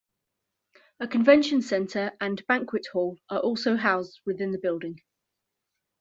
A convention center and banquet hall are also housed within the building.